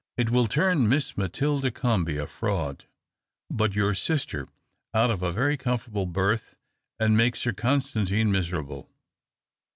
It will turn Miss Matilda Comby — a fraud, but your sister — out of a very com fortable berth, and make Sir Constantino miserable.